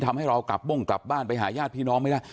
ทำให้เรากลับบ้งกลับบ้านไปหาญาติพี่น้องไม่ได้